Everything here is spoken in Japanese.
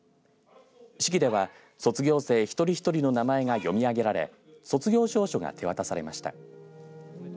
式では卒業生一人一人の名前が読み上げられ卒業証書が手渡されました。